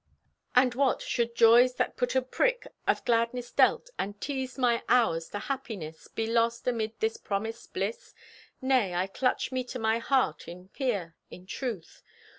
And what! should joys that but a prick Of gladness dealt, and teased my hours To happiness, be lost amid this promised bliss? Nay, I clutch me to my heart In fear, in truth!